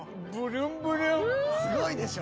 すごいでしょ？